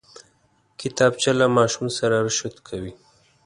کتابچه له ماشوم سره رشد کوي